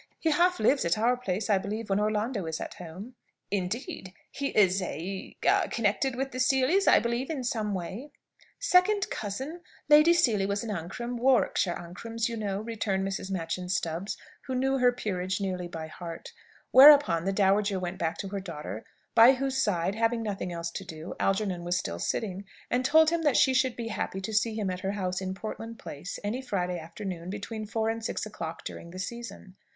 He half lives at our place, I believe, when Orlando is at home." "Indeed! He is a a connected with the Seelys, I believe, in some way?" "Second cousin. Lady Seely was an Ancram Warwickshire Ancrams, you know," returned Mrs. Machyn Stubbs, who knew her "Peerage" nearly by heart. Whereupon the dowager went back to her daughter, by whose side, having nothing else to do, Algernon was still sitting, and told him that she should be happy to see him at her house in Portland Place any Friday afternoon, between four and six o'clock during the season.